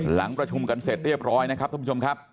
หลังประชุมกันเสร็จเรียบร้อยนะครับท่านผู้ชมครับ